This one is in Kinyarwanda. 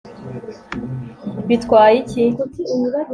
bitwaye iki